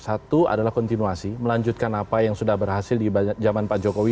satu adalah kontinuasi melanjutkan apa yang sudah berhasil di zaman pak jokowi